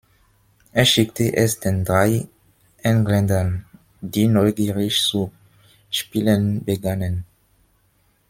Er schickte es den drei Engländern, die neugierig zu spielen begannen.